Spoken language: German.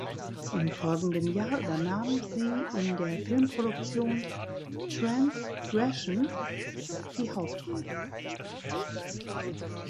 Im folgenden Jahr übernahm sie in der Filmproduktion "Transgression "die Hauptrolle.